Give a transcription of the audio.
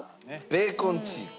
ベーコンチーズ。